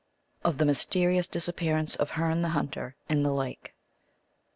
Of the Mysterious Disappearance of Herne the Hunter in the Lake.